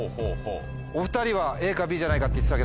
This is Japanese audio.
お２人はＡかＢじゃないかって言ってたけど。